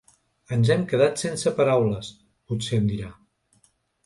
Ens hem quedat sense paraules, potser em dirà.